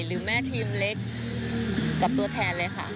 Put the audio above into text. หรือแม่ทีมเล็กกับตัวแทนเลยค่ะ